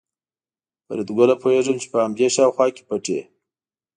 فریدګله پوهېږم چې په همدې شاوخوا کې پټ یې